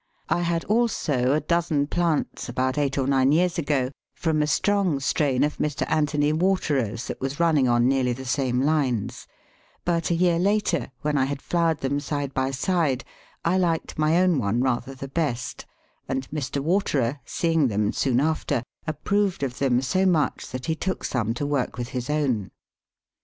I had also a dozen plants about eight or nine years ago from a strong strain of Mr. Anthony Waterer's that was running on nearly the same lines; but a year later, when I had flowered them side by side, I liked my own one rather the best, and Mr. Waterer, seeing them soon after, approved of them so much that he took some to work with his own.